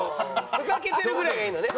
ふざけてるぐらいがいいのね。